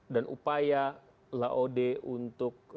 dan upaya laude untuk